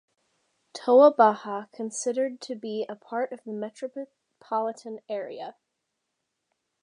Toa Baja considered to be a part of the Metropolitan Area.